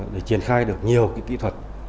để triển khai được nhiều cái kỹ thuật